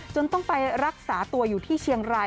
ต้องไปรักษาตัวอยู่ที่เชียงราย